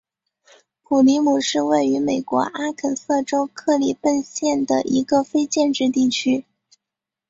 普里姆是位于美国阿肯色州克利本县的一个非建制地区。